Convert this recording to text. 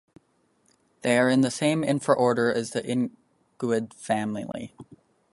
They are in the same infraorder as the iguanid family.